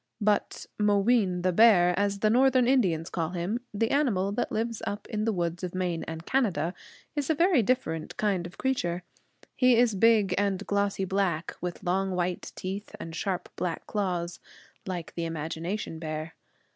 But Mooween the Bear, as the northern Indians call him, the animal that lives up in the woods of Maine and Canada, is a very different kind of creature. He is big and glossy black, with long white teeth and sharp black claws, like the imagination bear.